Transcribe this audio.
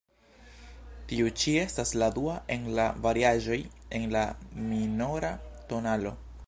Tiu ĉi estas la dua el la variaĵoj en la minora tonalo.